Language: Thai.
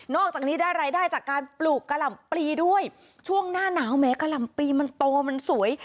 อกจากนี้ได้รายได้จากการปลูกกะหล่ำปลีด้วยช่วงหน้าหนาวแม้กะหล่ำปลีมันโตมันสวย